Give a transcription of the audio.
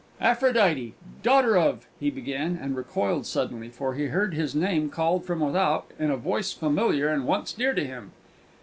"Aphrodite, daughter of " he began, and recoiled suddenly; for he heard his name called from without in a voice familiar and once dear to him.